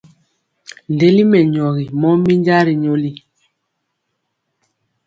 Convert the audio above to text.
Ndeli mɛnyɔgi mɔ minja ri nyoli.